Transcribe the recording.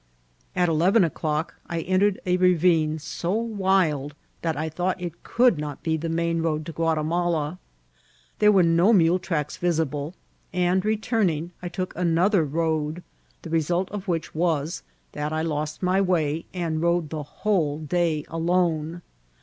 At eleven o'clock I entered a ravine so wild that I thought it could not be the main road to Gkiatimala; there were no mule tracks visible ; and, returning, I took another road, the result of which was that I lost my way, and rode the whole day alone.